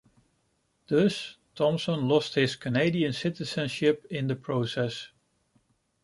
Thus, Thomson lost his Canadian citizenship in the process.